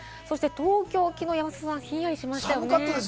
東京、昨日、山里さん、ひんやりしましたよね。